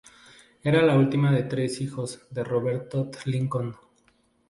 Era la última de tres hijos de Robert Todd Lincoln.